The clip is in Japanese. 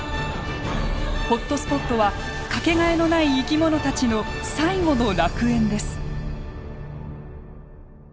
ホットスポットは掛けがえのない生き物たちの最後の楽園です。